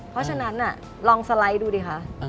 เพราะฉะนั้นลองสไลด์ดูดิคะ